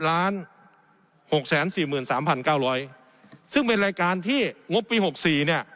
๖๑ล้าน๖๔๓๙๐๐ซึ่งเป็นรายการที่งบปี๖๔เนี่ย